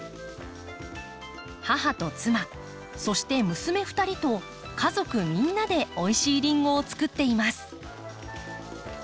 母と妻そして娘２人と家族みんなでおいしいリンゴをつくっています。